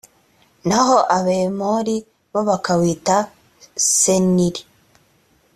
naho abahemori bo bakawita seniri